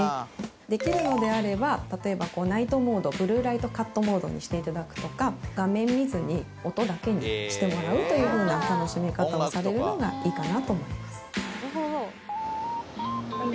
できるのであれば例えばナイトモードブルーライトカットモードにして頂くとか画面見ずに音だけにしてもらうというふうな楽しみ方をされるのがいいかなと思います。